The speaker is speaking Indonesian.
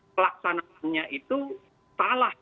pelaksanaannya itu salah